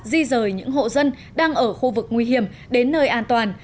di rời những hộ dân đang ở khu vực nguy hiểm đến nơi an toàn